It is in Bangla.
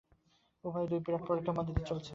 উভয়েই দুই বিরাট পরীক্ষার মধ্য দিয়া চলিতেছে।